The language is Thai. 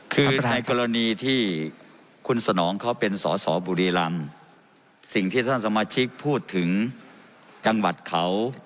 คือในกรณีที่คุณสนองเขาเป็นสอสอบุรีรำสิ่งที่ท่านสมาชิกพูดถึงจังหวัดเขา